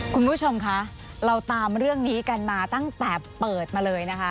คุณผู้ชมคะเราตามเรื่องนี้กันมาตั้งแต่เปิดมาเลยนะคะ